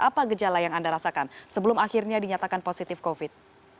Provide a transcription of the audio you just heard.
apa gejala yang anda rasakan sebelum akhirnya dinyatakan positif covid